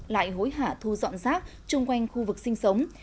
lại hối hả thu dọn rác chung quanh khu vực sinh sống